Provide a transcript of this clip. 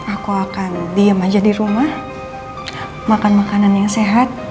aku akan diem aja di rumah makan makanan yang sehat